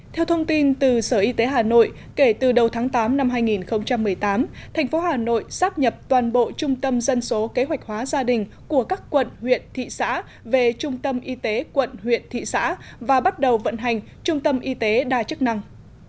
theo thông tin từ sở y tế hà nội kể từ đầu tháng tám năm hai nghìn một mươi tám thành phố hà nội sắp nhập toàn bộ trung tâm dân số kế hoạch hóa gia đình của các quận huyện thị xã về trung tâm y tế quận huyện thị xã và bắt đầu vận hành trung tâm y tế đa chức năng